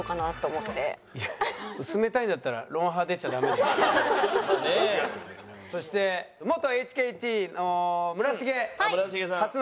薄めたいんだったらそして元ＨＫＴの村重初の格付け。